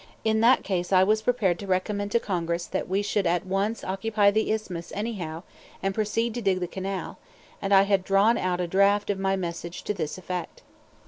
In that case I was prepared to recommend to Congress that we should at once occupy the Isthmus anyhow, and proceed to dig the canal; and I had drawn out a draft of my message to this effect.